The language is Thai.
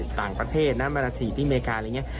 ต่างประเทศน้ำบรรยาชีพีเมริกาอะไรเงี้ย